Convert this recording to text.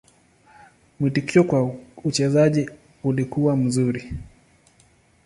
Mwitikio kwa uchezaji ulikuwa mzuri.